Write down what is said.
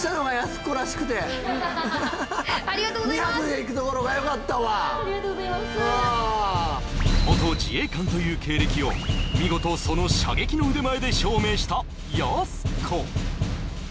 ありがとうございますありがとうございます元自衛官という経歴を見事その射撃の腕前で証明したやす子